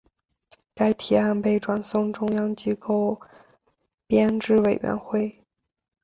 该提案被转送中央机构编制委员会。